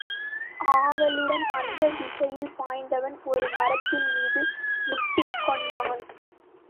ஆவலுடன் அந்த திசையில் பாய்ந்தவன் ஒரு மரத்தின் மீது முட்டிக் கொண்டான்.